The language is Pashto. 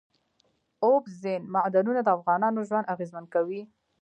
اوبزین معدنونه د افغانانو ژوند اغېزمن کوي.